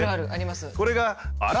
これがあら？